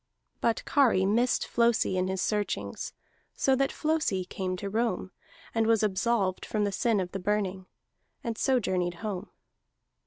But Kari missed Flosi in his searchings; so that Flosi came to Rome, and was absolved from the sin of the Burning, and so journeyed home.